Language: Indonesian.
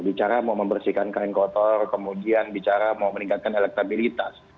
bicara mau membersihkan kain kotor kemudian bicara mau meningkatkan elektabilitas